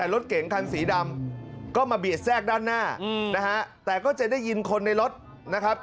รถเก๋งคันสีดำก็มาเบียดแทรกด้านหน้านะฮะแต่ก็จะได้ยินคนในรถนะครับ